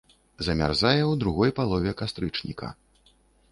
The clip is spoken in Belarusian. Замярзае ў другой палове кастрычніка.